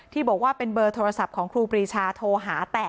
ที่บอกว่าเป็นเบอร์โทรศัพท์ของครูปรีชาโทรหาแต่